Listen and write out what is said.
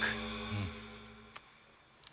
うん！